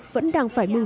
vẫn đang phải mưu sinh